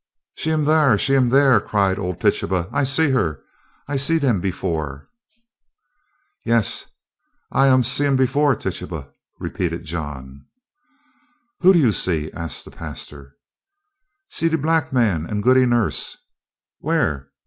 "She am dar! she am dar!" cried old Tituba. "I see her! I see dem bofe!" "Yes, I see um see um bofe, Tituba," repeated John. "Who do you see?" asked the pastor. "See de black man and Goody Nurse." "Where?"